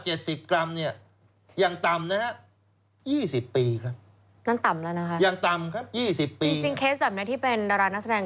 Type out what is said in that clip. หรือ๑๗กรัมเนี่ยยังต่ำนะฮะ๒๐ปีครับ